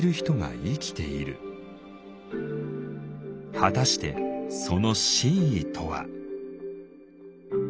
果たしてその真意とは。